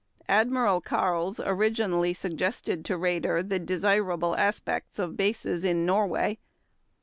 Admiral Karls originally suggested to Raeder the desirable aspects of bases in Norway.